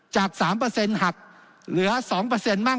จากสามเปอร์เซ็นต์หักเหลือสองเปอร์เซ็นต์บ้าง